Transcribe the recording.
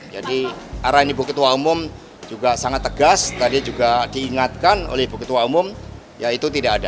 jadi arah ini bukit tua umum juga sangat tegas tadi juga diingatkan oleh bukit tua umum ya itu tidak ada